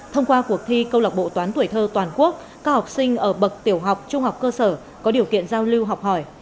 thông qua cuộc thi câu lạc bộ toán tuổi thơ toàn quốc các học sinh ở bậc tiểu học trung học cơ sở có điều kiện giao lưu học hỏi